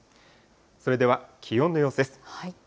それでは気温の様子です。